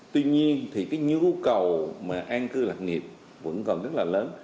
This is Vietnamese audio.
tuy nhiên thì cái nhu cầu mà an cư lạc nghiệp vẫn còn rất là lớn